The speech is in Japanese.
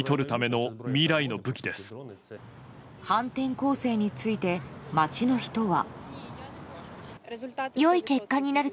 反転攻勢について、街の人は。